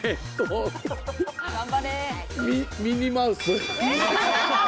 ミニマウス。